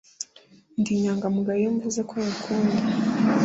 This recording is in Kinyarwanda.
Ndi inyangamugayo iyo mvuze ko ngukunda